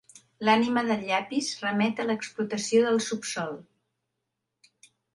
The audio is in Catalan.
L'ànima del llapis remet a l'explotació del subsòl.